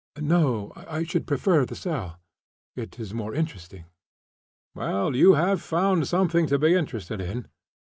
"No. I should prefer the cell. It is more interesting." "Well, you have found something to be interested in!"